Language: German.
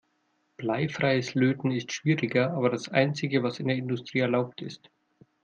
Bleifreies Löten ist schwieriger, aber das einzige, was in der Industrie erlaubt ist.